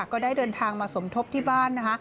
ก็ได้เดินทางมาสมทบที่บ้านนะคะ